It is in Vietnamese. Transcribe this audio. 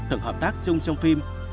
thực hợp tác chung trong phim